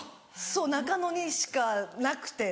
そう中野にしかなくて。